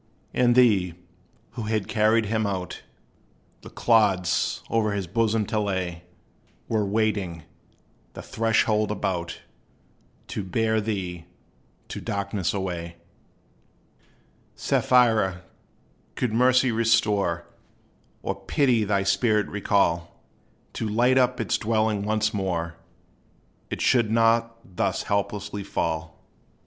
And they, who had carried him out, The clods o'er his bosom to lay, Were waiting, the threshold about, To bear thee to darkness away. Sapphira, could Mercy restore, Or Pity thy spirit recall, To light up its dwelling once more, It should not thus hopelessly fall.